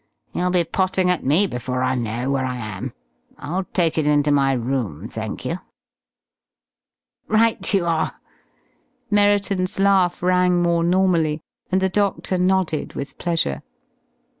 You'll be potting at me before I know where I am. I'll take it into my room, thank you!" "Right you are!" Merriton's laugh rang more normally and the doctor nodded with pleasure.